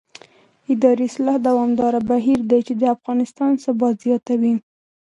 اداري اصلاح دوامداره بهیر دی چې د افغانستان ثبات زیاتوي